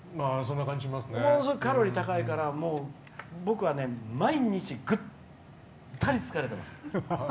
ものすごいカロリー高いから僕は毎日ぐったり疲れてます。